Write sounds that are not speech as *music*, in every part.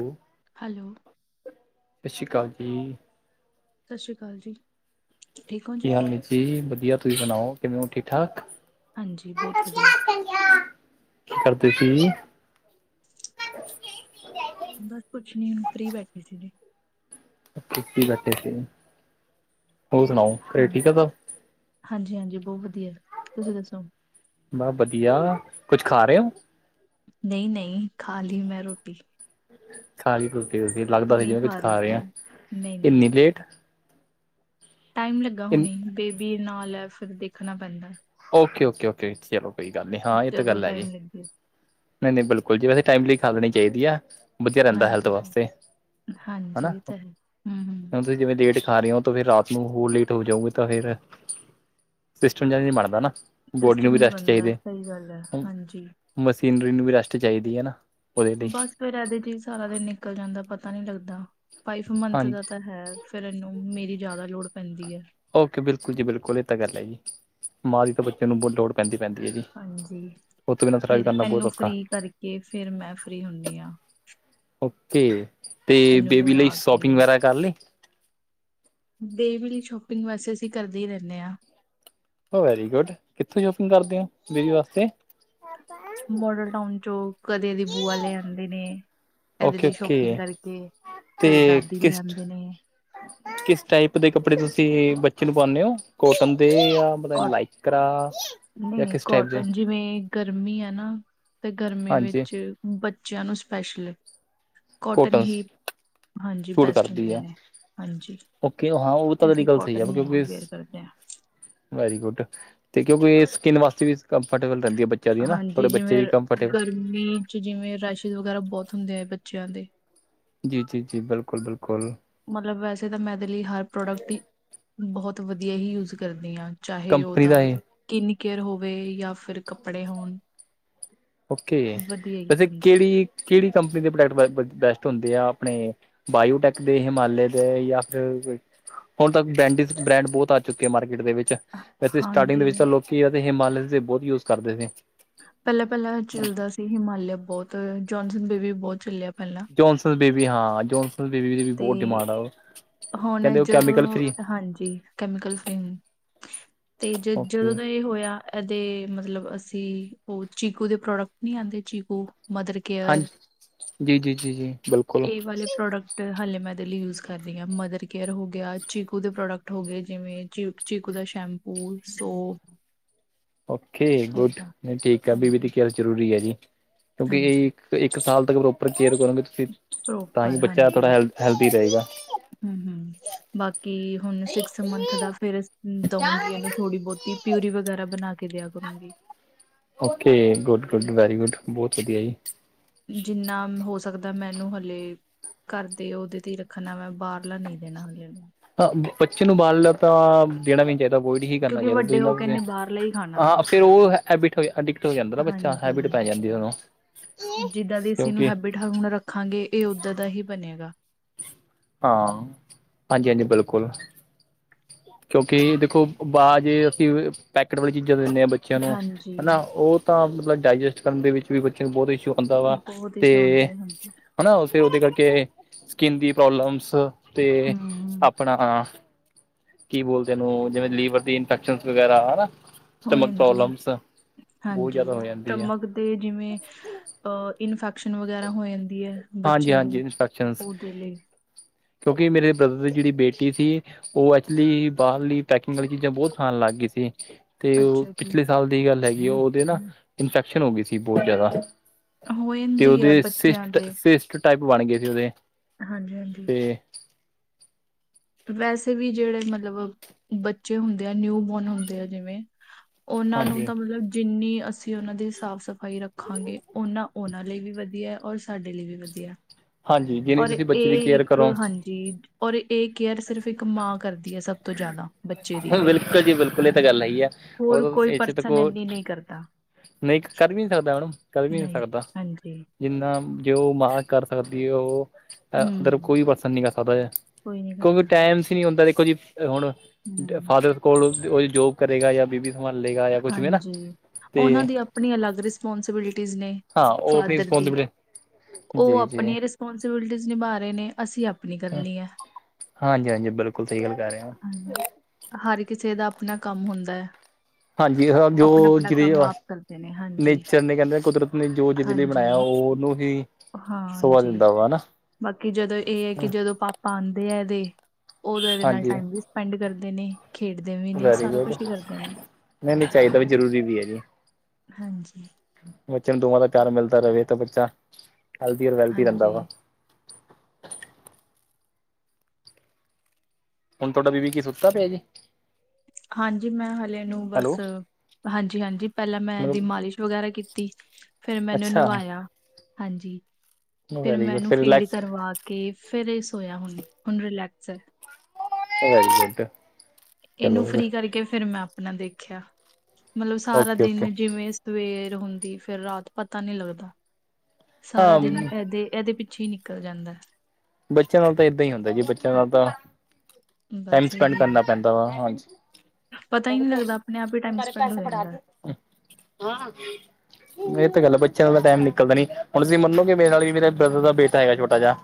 ਹਮ hello ਸਤਿ ਸ੍ਰੀ ਅਕਾਲ ਜੀ ਸਤਿ ਸ਼੍ਰੀ ਅਕਾਲ ਜੀ ਠੀਕ ਹੋ ਕੀ ਜੀ? ਹਾਂ ਜੀ ਵਧੀਆ ਤੁਸੀਂ ਸੁਣਾਓ ਕਿਵੇਂ ਹੋ ਠੀਕ ਠਾਕ ਹਾਂਜੀ, ਬਹੁਤ ਵਧੀਆ। ਕੀ ਕਰਦੀ ਸੀ ਬਸ ਕੁੱਛ ਨੀ ਹੁਣ ਫੀ ਬੈਠੀ ਸੀ ਜੀ ਬੈਠੇ ਸੀ ਹੋਰ ਸੁਣਾਓ ਘਰੇ ਠੀਕ ਆ ਸਬ ਹਾਂਜੀ ਹਾਂਜੀ ਬਹੁਤ ਵਧੀਆ ਤੁਸੀਂ ਦੱਸੋ ਬਸ ਵਧੀਆ ਕੁੱਝ ਖਾ ਰਹੇ ਹੋ ਨਹੀਂ ਨਹੀਂ ਖਾ ਲਈ ਮੈਂ ਰੋਟੀ ਸਾਰੀ ਤੁਸੀ ਤੁਸੀਂ ਲੱਗਦਾਸੀ ਹੁਣੀ ਜਿਵੇਂ ਕੁਝ ਰਹੀ ਖਾ ਸੀ। ਰਹੇ ਹ ਨਹੀਂ-ਨਹੀਂ, ਇੰਨੀ ਲੇਟ ਟਾਈਮ ਲੱਗਾ ਇਨ ਹੁਣੀ ਬੇਬੀ ਨਾਲ ਫਿਰ ਦੇਖਣਾ ਪੈਂਦਾ ਓਕੇ ਓਕੇ ਓਕੇ ਚਲੋ ਕੋਈ ਗੱਲ ਨਹੀਂ ਹਾਂ ਇਹ ਤਾਂ ਜਦੋਂ ਗੱਲ ਹੈ ਜੀ। ਟਾਈਮ ਲੱਗੇ, ਨਹੀਂ ਨਹੀਂ ਬਿਲਕੁਲ ਜੀ ਵੈਸੇ ਟਮਲੀ ਖਾ ਲਣੀ ਚਾਹੀਦੀ ਆ ਵਧੀਆ ਰਹਿੰਦਾ ਹੈਲਥ ਹਾਂਜੀ, ਵਾਸਤੇ ਹਣਾ ਹਾਂਜੀ ਇਹ ਤਾਂ ਹੈ। ਹੂੰ-ਹੂੰ, ਤੁਸੀਂ ਜਿਵੇਂ ਲੇਟ ਖਾ ਰਹੇ ਹੋ ਤਾਂ ਫਿਰ ਰਾਤ ਨੂੰ ਹੋਰ ਲੇਟ ਹੋ ਜਾਊਗੇ ਤਾਂ ਫੇਿਰ ਸਿਸਟਮ ਜ ਬਣਦਾ ਹਣਾ ਸਿਸਟਮ ਨਹੀਂ ਬਣਦਾ ਸਹੀ ਗੱਲ ਹੈ ਹਾਂਜੀ ਮਸ਼ੀਨਰੀ ਨੂੰ ਵੀ ਰੈਸਟ ਚਾਹੀਦੀ ਹੈ ਨਾ ਉਹਦੇ ਲਈ ਬਸ ਫੇਿਰ ਇਹਦੇ ਚ ਸਾਰਾ ਦਿਨ ਨਿਕਲ ਜਾਂਦਾ ਪਤਾ ਨਹੀਂੀ ਲੱਗਦਾ ਫਾਈਵ ਮੰਥ ਹਾਂਜੀ ਦਾ ਤਾਂ ਹੈ ਫੇਰ ਇਹਨੂੰ ਮੇਰੀ ਜ਼ਿਆਦਾ ਲੋੜ ਪੈਂਦੀ ਹੈ ਓਕੇ ਬਿਲਕੁਲ ਜੀ ਬਿਲਕੁਲ ਇਹ ਤਾਂ ਗੱਲ ਹੈ ਜੀ ਮਾਂ ਦੀ ਤਾਂ ਬੱਚੇ ਨੂੰ ਬ ਲੋੜ ਪੈਂਦੀ ਪੈਂਦੀ ਹੈ ਜੀ ਹਾਂਜੀ ਉਹੱ ਤੋਂ ਬਿਨਾਂ ਵੀ ਕਰਨਾ ਬਹੁਤ ਔਖਾ ਕੇ ਫੇਰ ਮੈਂ ਫਰੀ ਹੁਣੀ ਹਾਂ ਓਕੇ ਤੇ ਇਹਨੂੰ ਬੇਬੀ ਲਈ ਲਵਾ ਕੇ ਸ਼ੋਪਿੰਗ ਵਗੈਰਾ ਕਰ ਲਏ ਬੇਬੀ ਲਈ ਸ਼ੋਪਿੰਗ ਵੈਸੇ ਅਸੀਂ ਕਰਦੇ ਹੀ ਰਹਿਣੇ ਹਾਂ ਉਹ ਵੈਰੀ ਗੁੱਡ ਕਿੱਥੋਂ ਸ਼ੋਪਿੰਗ ਕਰਦੇ ਹੋ ਬੇਬੀ ਵਾਸਤੇ ਮੋਡਲ ਟਾਊਨ ਚੋਂ ਕਦੇ ਏਦੀ ਬੂਆ ਲੈ ਆਂਦੇ ਨੇ ਇਹਦੇ ਓਕੇ ਲਈ ਸ਼ੋਪਿੰਗ ਓਕੇ ਕਰਕੇ ਘਰੇ ਤੇ ਦਾਦੀ ਲੈ ਕਿਸ ਆਉਦੇ ਨੇ ਕਿਸ ਟਾਈਪ ਦੇ ਕੱਪੜੇ ਤੁਸੀਂ ਬੱਚੇ ਨੂੰ ਪਉਣੇ ਹੋ ਕੋਟਨ ਦੇ ਜਾਂ ਪਤਾ ਕੋ ਲਾਈਕਰਾ ਨਹੀਂ ਜਾਂ ਨਹੀਂ ਕਿਸ ਟਾਈਪ ਦੇ ਕੋਟਨ ਜਿਵੇਂ ਗਰਮੀ ਹੈ ਨਾ ਤੇ ਗਰਮੀ ਹਾਂਜੀ ਵਿੱਚ ਬੱਚਿਆਂ ਨੂੰ ਸਪੈਸ਼ਲ। ਕੋਟਨ ਹੀ ਹਾਂਜੀ ਬੈਸਟ ਕਰਦੀ ਹੁੰਦੇ ਹੈ ਨੇ। ਹਾਂਜੀ ਓਕੇ ਹਾਂ ਉਹ ਤਾਂ ਤੇ ਅਸੀਂ ਗੱਲ ਸਹੀ ਆ ਕੋਟਨ ਹੀ ਕਿਉਂਕਿ। ਵੇਅਰ ਕਰਦੇ ਹਾਂ ਵੈਰੀ ਗੁੱਡ ਤੇ ਕਿਉਂਕਿ ਸਕਿੰਨ ਵਾਸਤੇ ਵੀ ਕੰਫਰਟੇਬਲ ਰਹਿੰਦੀ ਹੈ ਬ। ਚ ਨਾ ਥੋੜੇ ਬੱਚੇ ਵੀ ਕਨਫਟ ਮੀਂਹ ਚ ਜਿਵੇਂ ਰਸ਼ਿਸ਼ ਵਗੈਰਾ ਬਹੁਤ ਹੁੰਦੇ ਹੈ ਬੱਚਿਆਂ ਦੇ ਜੀ ਜੀ ਜੀ ਬਿਲਕੁਲ ਬਿਲਕੁਲ ਮਤਲਬ ਵੈਸੇ ਤਾਂ ਮੈਂਦੇ ਲਈ ਹਰ ਪ੍ਰੋਡਕਟ ਹੀ ਬਹੁਤ ਵਧੀਆ ਹੀ ਯੂਜ ਕਰਦੀ ਹਾਂ ਚਾਹੇ ਕੰਪਨੀ ਉਹਦਾ ਦਾ ਇਹ ਕਿਨ ਕੇਅਰ ਹੋਵੇ ਯਾ ਫਿਰ ਕੱਪੜੇ ਹੋਣ ਓਕੇ ਵਧੀਆ ਹੀ ਵੈਸੇ ਹਾਂਜੀ ਕਿਹੜੀ ਕਿਹੜੀ ਕੰਪਨੀ ਦੇ ਪ੍ਰੋਡਕਟ ਬੈਸਟ ਹੁੰਦੇ ਆ ਆਪਣੇ ਬਾਇਓਟੈਕ ਦੇ ਹਿਮਾਲੇ ਦੇ ਜਾਂ ਫਿਰ ਹੁਣ ਤੱਕ ਬਰੈਂਦਿਜ ਚ ਬ੍ਰੈਂਡ ਬਹੁਤ ਆ ਚੁੱਕੇ ਹੈ ਮਾਰਕੀਟ ਦੇ ਵਿੱਚ ਵੈਸੇ ਸਟਾਰਟਿੰਗ ਦੇ ਹਾਂਜੀ ਵਿੱਚ ਤਾਂ ਲੋਕੀ ਹਿਮਾਲਯਾ ਦੇ ਬਹੁਤ ਯੂਜ ਕਰਦੇ ਨੇ ਪਹਿਲਾਂ ਪਹਿਲਾਂ ਚੱਲਦਾ ਸੀ ਹਿਮਾਲਿਆ ਬਹੁਤ ਜੋਨਸਨ ਬੇਬੀ ਵੀ ਬਹੁਤ ਚੱਲਿਆ ਪਹਿਲਾਂ ਜੋਨਸ ਬੇਬੀ ਹਾਂ ਜੋਨਸ ਬੇਬੀ ਦੀ ਵੀ ਤੇ ਬਹੁਤ ਡਿਮਾਂਡ ਆ ਉਹ ਹੁਣ ਕਹਿੰਦੇ ਉਹ ਕੈਮੀਕਲ ਜਦੋਂ ਫ੍ਰਰੀ ਹਾਂਜੀ ਕੈਮੀਕਲ ਫ੍ਰਰੀ ਤੇ ਜ ਜਦੋਂ ਓਕੇ ਦਾ ਇਹ ਹੋਇਆ ਇਹਦੇ ਮਤਲਬ ਅਸੀਂ ਉਹ ਚੀਕੂ ਦੇ ਪ੍ਰੋਡਕਟ ਨਹੀਂੀ ਆਉਂਦੇ ਚੀਕੂ ਮਦਰ ਹਾਂਜੀ ਕੇਅਰ ਜੀ ਜੀ ਜੀ ਜੀ ਬਿਲਕੁਲ ਇਹ ਵਾਲੇ ਪ੍ਰੋਡਕਟ ਹਾਲੇ ਮੈਂਦੇ ਲਈ ਯੂਜ ਕਰ ਧ ਮਦਰ ਕੇਅਰ ਹੋ ਗਿਆ ਚੀਕੂ ਦੇ ਪ੍ਰੋਡਕਟ ਹੋ ਗਏ ਜਿਵੇਂ ਚੀ ਚੀਕੂ ਦਾ ਸ਼ੈਂਪੂ ਸੋਪ ਹਮ ਓਕੇ ਗੁੱਡ ਨਹੀਂ ਠੀਕ ਆ ਬੀਬੀ ਦੀ ਹਾਂਜੀ ਕੀੱਲ ਜ਼ਰੂਰੀ ਹੈ ਜੀ ਕਿਉਂਕਿ ਹਾਂਜੀ ਇਹ ਇੱਕ ਸਾਲ ਤੱਕ ਪ੍ਰੋਪਰ ਕੇਅਰ ਕਰੋਗੇ ਤੁਸੀਂ ਤਾਂ ਹੀ ਪ੍ਰੋਪਰ ਬੱਚਾ ਥੋੜ੍ਹਾ ਹੈਲ ਹੈਲਦੀ ਰਹੇਗਾ ਹੂ ਹੂ ਬਾਕੀ ਹੁਣ ਸਿਕਸ ਮੰਥ ਦਾ ਫੇਿਰ ਦਊਂਗੀ ਇਹਨੂੰ ਥੋੜੀ ਬਹੁਤ ਦੀ ਪਿਊਰੀ ਵਗੈਰਾ ਬਣਾ ਕੇ ਦਿਆ ਕਰੂੰਗੀ okay good good very good ਬਹੁਤ ਵਧੀਆ ਜੀ ਜਿੰਨਾ ਹੋ ਸਕਦਾ ਮੈਨੂੰ ਹਲੇੇ ਘਰਦੇ ਉਹਦੇ ਤੇ ਹੀ ਰੱਖਣਾ ਮੈਂ ਬਾਹਰਲਾ ਨੀ ਦੇਣਾ ਹਾਲੇ ਇਹ ਨੂੰ ਹ ਬੱਚੇ ਨੂੰ ਬਾਲ ਤਾਂ ਦੇਣਾ ਵੀ ਨਹੀਂ ਚਾ ਅਵੋਇਡ ਹੀ ਕਰਨਾ ਕਿਉਂਕਿ ਚਾਹੀਦਾ ਵੱਡੇ ਤੁਸੀ ਹੋ ਕੇ ਇਹਨੇ ਬਾਹਰਲਾ ਹੀ ਖਾਣਾ ਵਾ ਹਾਂ ਫੇਰ ਉਹ ਹੈਬਿਟ ਹੋ ਅਡਿਕਟ ਹੋ ਜਾਂਦਾ ਨਾ ਬੱਚਾ ਹੈਬਿਟ ਹਾਂਜੀ ਪੈ ਜਾਂਦੀ ਓਨੂੰ ਕਿਉਂਕਿ ਢੱਕਾ ਹੁਣ ਰੱਖਾਂਗੇ, ਇਹ ਓਦਾਂ ਦਾ ਹੀ ਬਣੇਗਾ। ਹਾਂ, ਹਾਂਜੀ-ਹਾਂਜੀ, ਬਿਲਕੁਲ। ਕਿਉਂਕਿ ਦੇਖੋ, ਬਾਅਜ ਅਸੀਂ, ਪੈਕਟ ਵਾਲੀ ਚੀਜ਼ਾਂ ਦਿੰਨੇ ਹਾਂ ਬੱ ਬੱਚਿਆਂ ਨੂੰ, ਹਾਂਜੀ, ਹਨਾ। ਉਹ ਤਾਂ ਮਤਲਬ ਡਾਇਜੈਸਟ ਕਰਨ ਦੇ ਵਿੱਚ ਵੀ ਬੱਚਿਆਂ ਨੂੰ ਬਹੁਤ ਇਸ਼ੂ ਹੁੰਦਾ ਵਾ, ਬਹੁਤ ਇਸ਼ੂ ਤੇ ਆਉਂਦੇ ਆ ਹਾਂਜੀ। ਹਣਾ ਫਿਰ ਉਹਦੇ ਕਰਕੇ, ਸਕਿੰਨ ਦੀ ਪ੍ਰੋਬਲਮਸ ਤੇ, ਹੂੰ, ਆਪਣਾ ਕੀ ਬੋਲਦੇ ਓਨੂੰ, ਜਿਵੇਂ ਲੀਵਰ ਦੀ ਇਨਫੈਕਸ਼ਨ ਵਗੈਰਾ, ਹਨਾ। ਹੋ ਸਟਮਕ ਜਾਂਦੀ ਆ, ਪ੍ਰੋਬਲਮਸ ਬਹੁਤ ਹਾਂਜੀ‌। ਜ਼ਿਆਦਾ ਹੋ ਜਾਂਦੀ ਆ ਸਟੱਮਕ ਤੇ ਜਿਵੇਂ, ਅ ਇਨਫੈਕਸ਼ਨ ਵਗੈਰਾ ਹੋ ਜਾਂਦੀ ਹੈ, ਹਾਂਜੀ ਬੱਚਿਆਂ ਹਾਂਜੀ ਨੂੰ। ਇਨਫੈਕਸ਼ਨਸ ਉਹਦੇ ਲੇ--ਡੀ ਕਿਉਂਕਿ, ਮੇਰੇ ਬ੍ਰਦਰ ਦੀ ਜਿਹੜੀ ਬੇਟੀ ਸੀ ਉਹ ਐਕਚੁਲੀ, ਬਾਹਰਲੀ ਪੈਕਿੰਗ ਵਾਲੀ ਚੀਜ਼ਾਂ ਬਹੁਤ ਖਾਣ ਲੱਗ ਗਈ ਸੀ ਤੇ ਉਹ, ਅੱਛਾ ਜੀ। ਪਿਛਲੇ ਸਾਲ ਦੀ ਗੱਲ ਹੈਗੀ ਆ, ਉਹ ਉਹਦੇ ਨਾ ਇਨਫੈਕਸ਼ਨ ਹੋ ਗਈ ਸੀ, ਬਹੁਤ ਜ਼ਿਆਦਾ। ਹੋ ਤੇ ਜਾਂਦੀ ਆ ਉਹਦੇ, ਬੱਚਿਆਂ ਦੇ। ਸਿਸ੍ਟ-ਸਿਸ੍ਟ ਟਾਈਪ ਬਣਗਏ ਸੀ ਉਹਦੇ ਹਾਂਜੀ-ਹਾਂਜੀ। ਤੇ ਵੈਸੇ ਵੀ ਜਿਹੜੇ ਮਤਲਬ ਬੱਚੇ ਹੁੰਦੇ ਆ, ਨਿਊ ਬੋਰਨ ਹੁੰਦੇ ਆ, ਜਿਵੇਂ ਉਹਨਾਂ ਨੂੰ ਹਾਂਜੀ ਤਾਂ ਮਤਲਬ, ਜਿੰਨੀ ਅਸੀਂ ਉਹਨਾਂ ਦੀ ਸਾਫ਼-ਸਫ਼ਾਈ ਰੱਖਾਂਗੇ, ਉਹਨਾਂ ਉਹਨਾਂ ਲਈ ਵੀ ਵਧੀਆ, ਔਰ ਸਾਡੇ ਲਈ ਵੀ ਵਧੀਆ। ਹਾਂਜੀ ਜਿਨੀ ਔਰ ਤੁਸੀਂ ਬੱਚੇ ਦੀ ਇਹ ਕੇਅਰ ਇੱਕ, ਕਰੋ ਹਾਂਜੀ। ਔਰ ਇਹ ਕੇਅਰ ਸਿਰਫ ਇੱਕ ਮਾਂ ਕਰਦੀ ਹੈ, ਸਭ ਤੋਂ ਜ਼ਿਆਦਾ ਬੱਚੇ ਦੀ ਹਉ, ਬਿਲਕੁਲ ਜੀ, ਬਿਲਕੁਲ। ਇਹ ਤਾਂ ਗੱਲ ਹੈਗੀ ਆ, ਉਹ ਹੋਰ ਤਾਂ ਕੋਈ ਇ'ਚ ਤਾ ਪਰਸਨ ਕੋ ਇੰਨੀ ਨਹੀਂ ਕਰਦਾ ਨਹੀਂ, ਕਰ ਵੀ ਨਹੀਂ ਸਕਦਾ ਮੈਡਮ, ਕਰ ਵੀ ਨਹੀਂ ਸਕਦਾ। ਹਾਂਜੀ। ਜਿੰਨਾ, ਜਿਓ ਮਾਂ ਕਰ ਸਕਦੀ ਆ, ਉਹ ਉੱਧਰ, ਹੂੰ ਕੋਈ ਪਰਸਨ ਨੀ ਕਰ ਸਕਦਾ ਹੈ। ਕੋਈ ਨਹੀਂ ਕਿਉਂਕਿ ਕਰਦਾ ਟਾਈਮਸ ਨੀ ਹੁੰਦਾ ਦੇਖੋ ਜੀ, ਹੁਣ ਹੂੰ ਫਾਦਰ ਕੋਲ, ਉਹਦੀ ਜੋਬ ਕਰੇਗਾ ਜਾਂ ਬੀਬੀ ਸੰਭਾਲੇਗਾ, ਯਾਕੁਛ ਵੀ ਹਨਾ, ਹਾਂਜੀ ਉਹਨਾਂ ਤੇ ਦੀ ਆਪਣੀ ਅਲੱਗ ਰਿਸਪੋਂਸੀਬਿਲਟੀਜ਼ ਨੇ ਹਾਂ ਉਹ ਆਪਣੀ ਫਾਦਰ ਦੀ, ਰਿਸਪੋਂਸੀਬਿਲਿਟੀ ਉਹ ਜੀ ਜੀ ਆਪਣੀ ਪੋਂਸੀਬਿਲਟੀਜ਼ਿ ਨਿਭਾ ਰਹੇ ਨੇ, ਅਸੀਂ ਆਪ ਹਾਂਜੀ-ਹਾਂਜੀ, ਬਿਲਕੁਲ ਸਹੀ ਗੱਲ ਕਹਿ ਰਹੇ ਓਂ। ਹਾਂਜੀ ਹਰ ਕਿਸੇ ਦਾ ਆਪਣਾ ਕੰਮ ਹੁੰਦਾ। ਹਾਂਜੀ, ਆਪਣਾ ਜੋ, ਆਪਣਾ ਜਿਵੇਂ ਕੰਮ ਆਪ ਕਰਦੇ ਨੇ ਹਾਂਜੀ ਨੇਚਰ ਨੇ ਕਹਿੰਦੇ ਕੁਦਰਤ ਨੇ, ਜੋ ਜਿਦੇ ਲਈ ਹਾਂਜੀ ਬਣਾਇਆ, ਓ ਉਹਨੂੰ ਹੀ ਸੋਭਾ ਹਾਂਜੀ ਦਿੰਦਾ ਵਾ, ਹਨਾ। ਬਾਕੀ ਜਦੋਂ ਇਹ ਐ, ਕਿ ਜਦੋਂ ਪਾਪਾ ਆਂਦੇ ਆ ਇਹਦੇ, ਤੇ ਉਦੋਂ ਨਾਲ ਹਾਂਜੀ ਟਾਈਮ ਵੀ ਪੈਂਡ ਕਰਦੇ ਨੇ, ਖੇਡਦੇ ਵੀ ਨੇ, ਸਾਰਾ ਕੁਛ ਹੀ ਕਰਦੇ ਨੇ। ਨਹੀਂ-ਨਹੀਂ ਚਾਹੀਦਾ ਵੀ, ਜ਼ਰੂਰੀ ਵੀ ਹੈ ਜੀ। ਹਾਂਜੀ। ਬੱਚਿਆਂ ਨੂੰ ਦੋਵਾਂ ਦਾ ਪਿਆਰ ਮਿਲਦਾ ਰਵੇ, ਤਾਂ ਬੱਚਾ ਹੈਲਦੀ ਔਰ ਵੈਲਦੀ ਰਹਿੰਦਾ ਹਾਂਜੀ ਵਾ। ਹੁਣ, ਤੁਹਾਡਾ ਬੀਬੀ ਕੀ ਸੁੱਤਾ ਪਿਆ ਜੀ? ਹਾਂਜੀ, ਮੈਂ, ਹਲੇ ਇਹਨੂੰ ਹੈਲੋ ਬਸ ਹਾਂਜੀ-ਹਾਂਜੀ, ਪਹਿਲਾਂ ਮੈਂ ਇਹਦੀ ਮਤਲਬ ਮਾਲਿਸ਼ ਵਗੈਰਾ ਕੀਤੀ, ਫਿਰ ਮੈਨੇ ਅੱਛਾ ਨ੍ਹਵਾਇਆ। ਹਾਂਜੀ, ਫਿਰ ਵੈਰੀ ਮੈ ਗੁੱਡ ਇਹਨੂੰ ਫੀਡ ਰਿਲੈਕਸ ਕਰਵਾ ਕੇ ਫਿਰ, ਇਹ ਸੌਇਆ ਹੁਣ, ਹੁਣ ਰਿਲੈਕਸ ਐ। ਓ ਵੈਰੀ ਗੁੱਡ। ਚਲੋ ਇਹਨੂੰ ਫ੍ਰੀ ਕਰਕੇ ਫਿਰ ''ਮੈਂ ਆਪਣਾ ਦੇਖਿਆ। ਮਤਲਬ, ਸਾਰਾ ਓਕੇ ਓਕੇ ਦਿਨ ਜਿਵੇਂ ਸਵੇਰ ਹੁੰਦੀ, ਫਿਰ ਰਾਤ ਪਤਾ ਨਹੀਂ ਲੱਗਦਾ। ਸਾਰਾ ਹਾਂ ਦਿਨ ਐਦੇ-ਐਦੇ ਪਿੱਛੇ ਹੀ ਨਿਕਲ ਜਾਂਦਾ। ਬੱਚਿਆਂ ਨਾਲ ਤਾਂ ਏਦਾਂ ਹੀ ਹੁੰਦਾ ਜੀ, ਬੱਚਿਆਂ ਨਾਲ ਤਾਂ ਟਾਇਮ ਬਸ ਸਪੈਂਡ ਇਹੀ ਹੈ ਕਰਨਾ ਪੈਂਦਾ ਵਾ, ਹਾਂਜੀ। ਪਤਾ ਹੀ ਨਹੀਂ ਲੱਗਦਾ, ਆਪਣੇ-ਆਪ ਹੀ ਟਾਈਮ ਸਪੈਂਡ ਹੋ ਜਾਂਦਾ। ਹਾਂ। ਇਹ ਤਾਂ ਗੱਲ ਹੈ, ਬੱਚਿਆਂ ਨਾਲ ਤਾਂ ਟਾਈਮ ਨਿਕਲਦਾ ਨਈ, ਹੁਣ ਤੁਸੀਂ ਮੰਨੋ ਕਿ ਮੇਰੇ ਨਾਲ ਵੀ, ਮੇਰਾ ਬ੍ਰਦਰ ਦਾ ਬੇਟਾ ਹੈਗਾ, ਛੋਟਾ ਜਿਹਾ।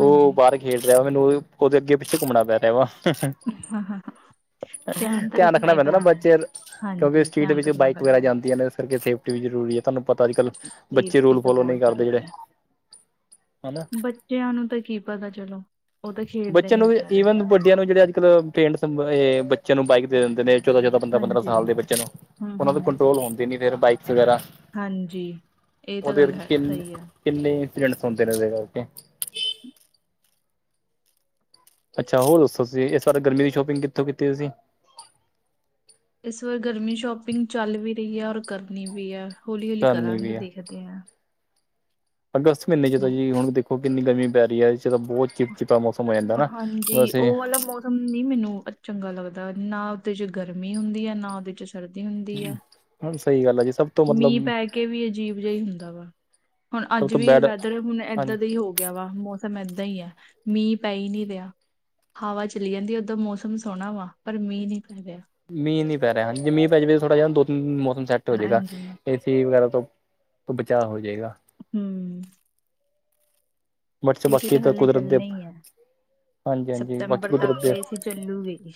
ਉਹ, ਬਾਹਰ ਖੇਡ ਰਿਹਾ ਵਾ, ਮੈਨੂੰ ਉਹਦੇ ਅੱਗੇ- ਪਿੱਛੇ ਘੁੰਮਣਾ ਪੈ ਰਿਹਾ ਵਾ। ਹਾਂ ਹਾਂ ਹਾਂ, ਧਿਆਨ ਰੱਖਣਾ ਪੈਂਦਾ, ਨਾ ਬੱਚੇ ਕਿਉਂਕਿ, ਹਾਂਜੀ ਸਪੀਡ ਧਿਆਨ ਵਿੱਚ ਰੱਖਣਾ ਬਾਈਕ ਵਗੈਰਾ ਪੈਂਦਾ ਹੈ। ਜਾਂਦੀਆਂ ਨੇ ਇਸ ਕਰਕੇ ਫਿਰ ਏ ਵੀ ਜ਼ਰੂਰੀ ਹੈ, ਤੁਹਾਨੂੰ ਪਤਾ ਅੱਜ -ਕੱਲ ਬੱਚੇ ਸੇਫਟੀ ਰੂਲ ਤਾਂ ਫੋਲੋ, ਬਹੁਤ ਨਹੀਂ ਕਰਦੇ ਜ਼ਰੂਰੀ ਜਿਹੜੇ ਹੈ ਹਨਾਂ? ਬੱਚਿਆਂ ਨੂੰ ਤਾਂ, ਕੀ ਪਤਾ ਚਲੋ ਉਹ ਤਾਂ ਖੇਡਦੇ ਬੱਚਿਆਂ ਨੇ ਨੂੰ ਵਿਚਾਰੇ ਈਵਨ, ਵੱਡਿਆਂ ਨੂੰ ਜਿਹੜੇ ਅੱਜ ਕੱਲ, ਬੱਚਿਆਂ ਨੂੰ, ਬਾਈਕ ਦੇ ਦਿੰਦੇ ਨੇ ਚੌਦਾਂ, ਚੌਦਾਂ, ਪੰਦਰਾਂ, ਪੰਦਰਾਂ ਹਾਂਜੀ ਸਾਲ ਦੇ ਬੱਚੇ ਨੂੰ ਹੂੰ ਉਹਨਾਂ ਤੋਂ ਹੂੰ ਕੰਟਰੋਲ ਹੁੰਦੇ ਨੀ, ਫਿਰ ਬਾਈਕਸ ਵਗੈਰਾ ਹਾਂਜੀ, ਇਹ ਤਾਂ ਉਹਦੇ ਗੱਲ ਹੈ ਕਿੰਨ ਸਹੀ ਹੈ। ਕਿੰਨੇ, ਇੰਸੀਡੈਂਟਸ ਹੁੰਦੇ ਨੇ ਉਹਦੇ ਕਰਕੇ? ਅੱਛਾ, ਹੋਰ ਦੱਸੋ ਤੁਸੀ? ਇਸ ਵਾਰੀ ਗਰਮੀ ਦੀ ਸ਼ੋਪਿੰਗ ਕਿੱਥੋਂ ਕੀਤੀ ਤੁਸੀਂ? ਇਸ ਵਾਰ, ਗਰਮੀ ਦੀ ਸ਼ੋਪਿੰਗ ਚੱਲ ਵੀ ਰਹੀ ਹੈ, ਔਰ ਕਰਨੀ ਵੀ ਹੈ ਹੌਲੀ -ਹੌਲੀ ਕਰਨੀ ਕਰਾਂਗੇ ਵੀ ਹੈ ਦੇਖਦੇ ਹਾਂ। ਅਗਸਤ ਮਹੀਨੇ ਚ, ਤਾਂ ਜੀ ਹੁਣ ਦੇਖੋ ਕਿੰਨੀ ਗਰਮੀ ਪੈ ਰਹੀ ਹੈ, ਇਹ ਤਾਂ ਬਹੁਤ ਚ ਜਿਤਾ ਮੌਸਮ, ਹੋ ਜਾਂਦਾ ਨਾ ਵੈਸੇ ਨੀ ਮੈਨੂੰ ਚੰਗਾ ਲੱਗਦਾ, ਨਾ ਉਹਦੇ ਚ ਗਰਮੀ, ਹੁੰਦੀ ਹੈ ਨਾ ਉਹਦੇ ਚ ਸਰਦੀ ਹੁੰਦੀ ਹੈ, ਸਹੀ ਗੱਲ ਹੈ ਜੀ ਸਭ ਤੋਂ ਮੀਂਹ ਮਤਲਬ ਪੈ ਕੇ ਕਿਵੇਂ ਅਜੀਬ ਜਿਹਾ ਹੀ ਹੁੰਦਾ ਵਾ, ਹੁਣ ਸਭ ਅੱਜ ਤੋਂ ਵੀ ਬੈਡ ਵੈਦਰ ਹੁਣ, ਇਦਾਂ ਹਾਂਜੀ ਦਾ ਹੀ ਹੋ ਗਿਆ ਵਾ। ਮੌਸਮ ਏਦਾਂ ਹੀ ਹੈ ਮੀਂਹ ਪੈ ਹੀ ਨਹੀਂ ਰਿਹਾ, ਹਵਾ ਚਲੀ ਜਾਂਦੀ ਉੱਦਰ ਮੌਸਮ ਸੋਹਣਾ ਵਾ, ਪਰ ਮੀਂਹ ਨਹੀਂ ਪੈ ਰਿਹਾ। ਮੀਂਹ ਨਹੀਂ ਪੈ ਰਿਹਾ, ਜੇ ਮੀਂਹ ਪੈ ਜਾਵੇ ਥੋੜਾ ਜਿਹਾ ਦੋ ਤਿੰਨ, ਮੌਸਮ ਸੈੱਟ ਹੋ ਜਾਏਗਾ। ਹਾਂਜੀ ਟੀ ਵਗੈਰਾ, ਤੋਂ ਬਚਾਅ ਹੋ ਜੇਗਾ। ਹੁ ਬਟ ਏਸੀ ਬਾਕੀ ਤਾਂ, ਹਾਲੇ ਕੁਦਰਤ ਦੇ ਚੱਲਣੇ ਹੀ ਐ, ਹਾਂਜੀ ਹਾਂਜੀ ਬਾਕੀ ਸਤੰਬਰ ਤੱਕ ਕੁਦਰਤ ਦੇ ਤੇ ਏਸੀ, ਚੱਲੂਗੀ ਈ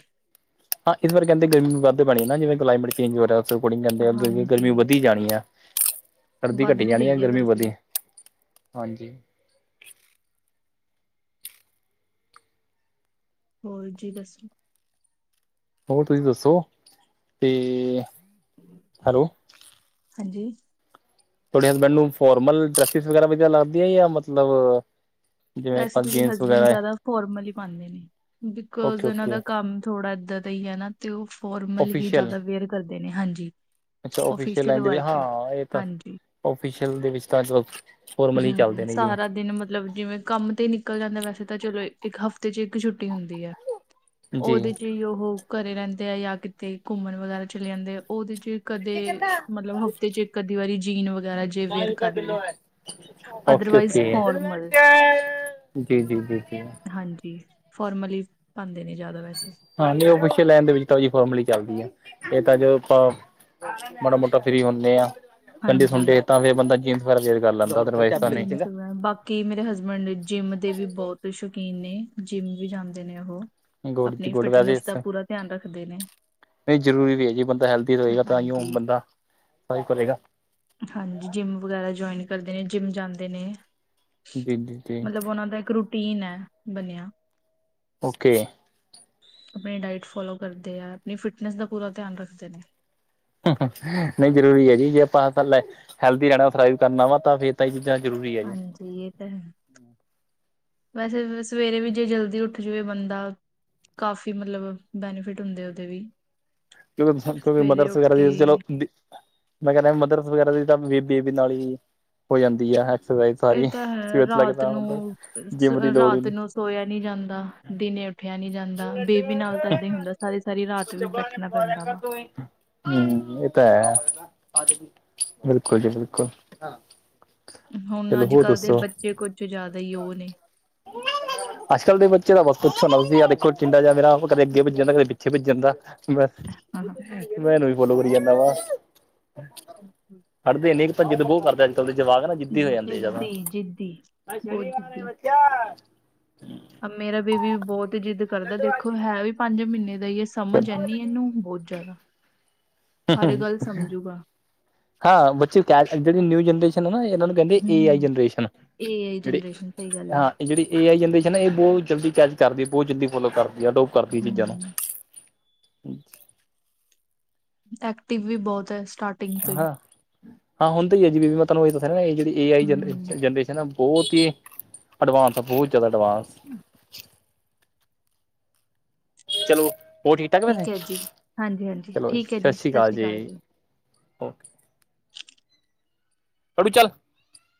ਹਾਂ, ਇਸ ਬਾਰੇ ਕਹਿੰਦੇ ਗਰਮੀ ਵੱਧ ਪੈਣੀ ਆ, ਜਿਵੇਂ ਕਲਾਈਮੇਟ ਚੇਜ ਹੋ ਰਿਹਾ, ਉਸ ਅਕੋਡਿੰਗ ਕਹਿੰਦੇ, ਅੱਗੇ ਹਾਂਜੀ ਗਰਮੀ ਵਧੀ ਜਾਣੀ, ਆ ਸਰਦੀ, ਘਟੀ ਵੱਧ ਹੀ ਜਾਣੀ ਆ, ਰਹੀ ਹੈ ਗਰਮੀ ਵੈਸੇ ਵਧੀ ਹਾਂਜੀ ਹੋਰ, ਜੀ ਦੱਸੋ? ਹੋਰ, ਤੁਸੀਂ ਦੱਸੋ ਤੇ ਹੈਲੋ ਹਾਂਜੀ ਤੁਹਾਡੇ ਹਸਬੈਂਡ ਨੂੰ ਫੋਰਮਲ, ਡਰੈਸਿਸ ਵਗੈਰਾ ਵਧੀਆ, ਲੱਗਦੀਆ ਜਾਂ ਮਤਲਬ ਜਿਵੇਂ ਵੈਸੇ ਆਪਾਂ ਮੇਰੇ, ਜੀਨਸ ਹਸਬੈਂਡ ਵਗੈਰਾ ਜਿਆਦਾ ਫੋਰਮਲ, ਹੀ ਪਾਉਂਦੇ ਨੇ। ਬਿਕੋਜ ਓਕੇ ਉਹਨਾਂ ਓਕੇ ਦਾ, ਕੰਮ ਥੋੜਾ ਏਦਾਂ ਦਾ ਹੀ ਹੈ ਨਾ, ਤੇ ਉਹ ਫੋਰਮਲ ਹੀ, ਓਫੀਸ਼ੀਅਲ ਜਿਆਦਾ ਵਿਅਰ ਕਰਦੇ ਨੇ, ਹਾਂਜੀ ਅੱਛਾ ਓਫੀਸ਼ਅਲ, ਵਰਕ ਹੈ ਹਾਂਜੀ। ਓਫੀਸ਼ਅਲ, ਦੇ ਵਿੱਚ ਤਾਂ ਜੋ ਹੁ -ਹੁ ਸਾਰਾ ਦਿਨ ਮਤਲਬ ਮਤਲਬ ਜਿਵੇਂ, ਕੰਮ ਤੇ ਨਿਕਲ ਜਾਂਦਾ, ਵੈਸੇ ਤਾਂ ਚਲੋ ਇੱਕ ਹਫ਼ਤੇ ਚ ਇੱਕ, ਛੁੱਟੀ ਹੁੰਦੀ ਆ। ਜੀ ਉਹਦੇ ਚ ਹੀ, ਉਹ ਘਰੇ ਰਹਿੰਦੇ ਆ, ਜਾਂ ਕਿਤੇ ਘੁੰਮਣ ਵਗੈਰਾ ਚਲੇ ਜਾਂਦੇ, ਆ ਉਹਦੇ ਚ ਕਦੇ ਮਤਲਬ, ਹਫ਼ਤੇ ਚ ਇਕ ਅਧੀ ਵਾਰੀ ਜੀਨ, ਵਗੈਰਾ ਜੇ ਵੇਅਰ ਕਰ ਲਈ *unintelligible* *inaudible* ਓਕੇ ਅਦਰਵਾਈਜ਼ ਓਕੇ। ਫੋਰਮਲ ਜੀ ਜੀ ਜੀ ਜੀ। *inaudible* ਹਾਂਜੀ। ਫੋਰਮਲ ਹੀ, ਪਾਉਂਦੇ ਨੇ ਜ਼ਿਆਦਾ ਵੈਸੇ। ਹਾਂਜੀ ਉਹ, ਪਿੱਛੇ ਲੈਣ ਦੇ ਵਿੱਚ ਤਾਂ ਫੋਰਮਲੀ ਚੱਲਦੀ ਆ ਇਹ ਤਾਂ ਜੋ ਆਪਾਂ ਮਾੜਾ- ਮੋਟਾ ਫਰੀ ਹੁੰਨੇ ਆ ਸੰਡੇ- ਹਾਂਜੀ ਸੁੰਡੇ ਤਾਂ ਫਿਰ ਬੰਦਾ ਜਿੰਮ ਵੈਰਾ ਚੇਜ ਕਰ ਲੈਂਦਾ ਅਦਰਵਾਈਜ਼ ਤਾਂ ਨਹੀਂ *unintelligible* *inaudible* ਕਿ ਮੇਰੇ, ਹਸਬੈਂਡ ਜਿੰਮ ਦੇ ਵੀ ਬਹੁਤ ਸ਼ੌਕੀਨ ਨੇ, ਜਿੰਮ ਵੀ ਜਾਂਦੇ ਨੇ ਉਹ ਗੁੜ ਚ ਆਪਣੀ ਗੁੜ ਵੈਸੇ ਫਿਟਨੈਸ, ਦਾ ਪੂਰਾ ਧਿਆਨ ਰੱਖਦੇ ਨੇ। ਨਹੀਂ ਜ਼ਰੂਰੀ ਵੀ ਹੈ, ਜੇ ਬੰਦਾ ਹੈਲਦੀ ਰਹੇਗਾ ਤਾਂ ਹੀ ਹਾਂਜੀ ਬੰਦਾ, ਸਹੀ ਕਰੇਗਾ। ਹਾਂਜੀ, ਜਿੰਮ ਵਗੈਰਾ ਜੁਆਇਨ ਕਰਦੇ ਨੇ, ਜਿੰਮ ਜਾਂਦੇ ਨੇ ਜੀ ਜੀ ਜੀ ਮਤਲਬ ਉਹਨਾਂ ਦਾ, ਇੱਕ ਰੂਟੀਨ ਹੈ ਬਣਿਆ। ਓਕੇ ਆ। ਅਪਣੀ ਡਾਇਟ ਫੋਲੋ ਕਰਦੇ ਆ ਅਪਣੀ ਫਿਟਨਸ ਦਾ ਪੂਰਾ ਧਿਆਨ ਰੱਖਦੇ ਨੇ। ਨਹੀਂ ਜਰੂਰੀ ਹੈ ਜੀ ਜੇ ਆਪਾਂ ਹੈਲਦੀ ਰਹਿਣਾ ਸਰਵਾਈਵ ਕਰਨਾ ਵਾ ਤਾਂ ਫਿਰ। ਤਾਂ ਇਹ ਚੀਜ਼ਾਂ ਜ਼ਰੂਰੀ ਹੈ। ਹਾਂਜੀ ਤਾਂ ਵੈਸੇ ਸਵੇਰੇ ਵੀ ਜੇ ਜਲਦੀ ਉੱਠ ਜਾਵੇ ਬੰਦਾ ਕਾਫੀ ਮਤਲਬ ਬੈਨੀਫਿਟ ਹੁੰਦੇ ਆ ਉਹਦੇ ਵੀ। ਕਿਉਂਕਿ ਕਿਉਂਕਿ ਸਵੇਰੇ ਮਦਰਸ ਉੱਠ ਵਗੈਰਾ ਕੇ ਦੀ ਚਲੋ। ਮੈਂ ਕਹਿੰਦਾ ਮਦਰ ਵਗੈਰਾ ਦੀ ਤਾਂ ਬੇਬੀ ਨਾਲ ਹੀ ਹੋ ਜਾਂਦੀ ਹੈ। ਇਹ ਤਾਂ ਹੈ ਰਾਤ ਨੂੰ ਜਿੰਮ ਦੀ ਲੋੜ ਹੀ ਰਾਤ ਨਹੀਂ ਨੂੰ ਸੋਇਆ ਨਹੀ ਜਾਂਦਾ ਦਿਨੇ। ਉੱਠਿਆ ਨੀ ਜਾਂਦਾ ਬੇਬੀ ਨਾਲ ਤਾਂ ਇੱਦਾਂ ਹੀ ਹੁੰਦਾ ਸਾਰੀ ਸਾਰੀ ਰਾਤ ਵੀ ਬੈਠਣਾ। ਪੈਂਦਾ ਵਾ, ਹਮ ਇਹ ਤਾਂ ਹੈ। ਬਿਲਕੁਲ ਜੀ ਬਿਲਕੁਲ। ਹੁਣ ਚਲੋ ਅੱਜ ਹੋਰ ਕੱਲ ਦੇ ਦੱਸੋ ਬੱਚੇ ਕੁਝ ਜ਼ਿਆਦਾ ਹੀ ਉਹ ਨੇ। ਅੱਜ ਕੱਲ ਦੇ ਬੱਚੇ ਦਾ ਬਸ ਪੁੱਛੋਂ ਨਾ ਤੁਸੀ ਆ ਦੇਖੋ ਚਿੰਦਾ ਜਾ ਮੇਰਾ ਕਦੇ ਅੱਗੇ ਪੱਜ ਜਾਂਦਾ ਕਦੇ ਪਿੱਛੇ ਭੱਜ ਜਾਂਦਾ। ਮੈਂ ਹਾਂ ਮੈਂ ਇਹਨੂੰ ਵੀ ਫੋਲੋ ਕਰੀ ਜਾਂਦਾ ਵਾ। ਹੰਜੀ ਹਮ। ਖੜਦੇ ਨੀ ਇੱਕ ਤਾਂ ਜਿੱਦ ਬੋਹ ਕਰਦੇ ਅੱਜ ਕੱਲ ਦੇ ਜਵਾਕ ਨਾ ਜਿੱਦੀ ਹੋ ਜਾਂਦੇ ਜਾਦਾ। ਜਿੱਦੀ ਜਿੱਦੀ ਬਹੁਤ ਕਿਆ? ਆ ਮੇਰਾ ਬੇਬੀ ਵੀ ਬਹੁਤ ਜਿੱਦ ਕਰਦਾ ਦੇਖੋ ਹੈ ਵੀ ਪੰਜ ਮਹੀਨੇ ਦਾ ਹੀ ਹੈ ਸਮਝ ਚਲੋ ਇਹਨੀ ਇਹਨੂੰ ਬਹੁਤ। ਜਾਦਾ ਹਰ ਗੱਲ ਸੰਮਝੂਗਾ। ਹਾਂ ਬੱਚੇ ਕਹਿ ਜਿਹੜੀ ਨਿਊ ਜਨਰੇਸ਼ਨ ਹੈ ਨਾ ਇਹਨਾਂ ਨੂੰ ਕਹਿੰਦੇ ਏ ਆਈ ਹੂੰ ਜਨਰੇਸ਼ਨ। ਏ ਆਈ ਜਿਹੜੀ ਜਨਰੇਸ਼ਨ ਸਹੀ ਗੱਲ ਹੈ। ਹਾਂ ਇਹ ਜਿਹੜੀ ਏ ਆਈ ਜਨਰੇਸ਼ਨ ਹੈ ਇਹ ਬੋਤ ਜਲਦੀ ਕੈਚ ਕਰਦੀ ਬੋਤ ਜਲਦੀ ਫੋਲੋ ਕਰਦੀ। ਜਦੋਂ ਕਰਦੀ ਸੀ ਜਾਦਾ। ਹੂੰ ਐਕਟਿਵ ਵੀ ਬੋਤ ਹੈ। ਸਟਾਰਟਿੰਗ ਤੋਂ ਹੀ ਹਾਂ ਹਾਂ ਹੁੰਦੀ ਹੀ ਆ ਜੀ ਬੀਬੀ ਮੈਂ ਤੁਹਾਨੂੰ ਏਹੀ ਤਾ ਕਿਹਰਿਆ ਨਾ ਇਹ ਜਿਹੜੀ ਏ ਆਈ ਹੂੰ ਜਨਰੇਸ਼ਨ ਆ। ਬਹੋਤ ਹੀ ਐਡਵਾਂਸ ਆ ਬਹੋਤ ਜਾਦਾ ਐਡਵਾਂਸ। ਚਲੋ ਹੋਰ ਠੀਕ ਠਾਕ ਵੈਸੇ ਹੈ ਜੀ ਹਾਂਜੀ ਹਾਂਜੀ ਚਲੋ ਠੀਕ ਹੈ ਸਤਿ ਜੀ ਸ਼੍ਰੀ ਅਕਾਲ ਜੀ। ਓਕੇ। ਹ। ਤੋੜੀ ਚੱਲ।